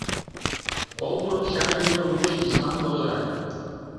Колбуров чай йӱмӧ лугыч письмам воза.